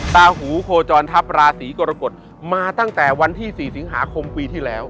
ตาหูโคจรทัพราศีกรกฎมาตั้งแต่วันที่๔สิงหาคมปีที่แล้ว